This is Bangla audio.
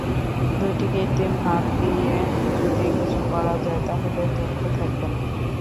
দুটি কৃত্রিম হাত দিয়ে যদি কিছু করা যায়, তাহলে দুঃখ থাকবে না।